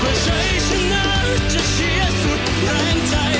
ไปใช้ชนะจะเชียร์สุดแรงใจ